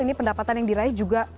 ini pendapatan yang diraih juga